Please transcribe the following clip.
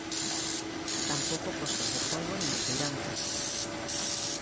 Tampouco postos de polbo nin de feirantes.